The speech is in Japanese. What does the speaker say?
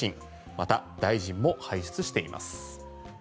また、大臣も輩出しています。